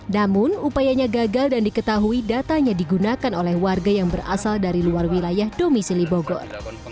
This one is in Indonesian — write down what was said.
namun upayanya gagal dan diketahui datanya digunakan oleh warga yang berasal dari luar wilayah domisili bogor